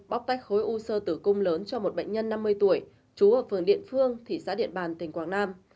bóc tách khối u sơ tử cung lớn cho một bệnh nhân năm mươi tuổi trú ở phường điện phương thị xã điện bàn tỉnh quảng nam